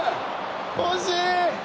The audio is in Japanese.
惜しい！